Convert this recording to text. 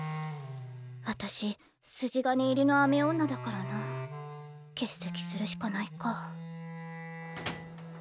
私筋金入りの雨女だからな。欠席するしかないか。